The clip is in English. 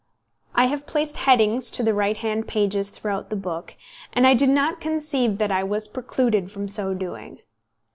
I have placed headings to the right hand pages throughout the book, and I do not conceive that I was precluded from so doing.